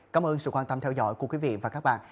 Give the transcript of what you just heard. cảm ơn sự quan tâm theo dõi của quý vị và các bạn